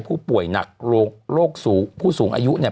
ผู้ป่วยหนักโรคผู้สูงอายุเนี่ย